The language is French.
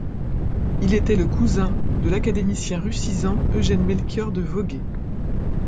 Il était le cousin de l'académicien russisant Eugène-Melchior de Vogüé.